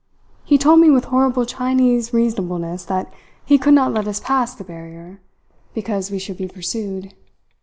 He told me with horrible Chinese reasonableness that he could not let us pass the barrier, because we should be pursued.